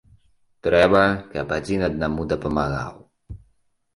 Трэба, каб адзін аднаму дапамагаў.